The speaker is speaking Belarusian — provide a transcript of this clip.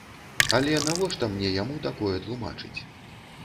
Але навошта мне яму такое тлумачыць?